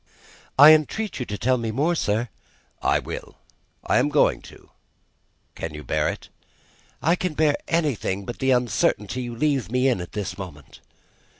"I entreat you to tell me more, sir." "I will. I am going to. You can bear it?" "I can bear anything but the uncertainty you leave me in at this moment."